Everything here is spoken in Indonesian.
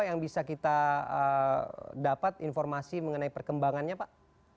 apa yang bisa kita dapat informasi mengenai perkembangannya pak